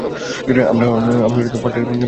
আমরা পালটাকে হালকা করে দেবো।